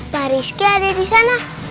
pak rizky ada disana